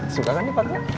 suka kan di padnya